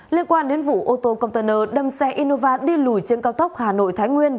liên quan đến vụ ô tô container đâm xe innova đi lùi trên cao tốc hà nội thái nguyên